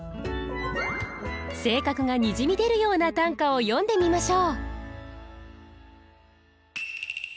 性格がにじみ出るような短歌を詠んでみましょう。